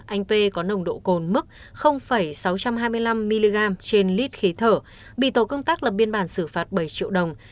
anh p có nồng độ cồn mức sáu trăm hai mươi năm mg trên lít khí thở bị tổ công tác lập biên bản xử phạt bảy triệu đồng